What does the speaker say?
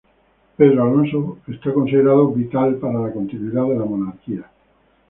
Pedro Afonso fue considerado vital para la continuidad de la monarquía.